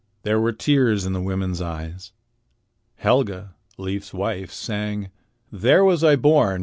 There were tears in the women's eyes. Helga, Leif's wife, sang: "There was I born.